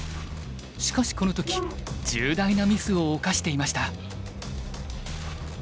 しかしこの時重大なミスを犯していました。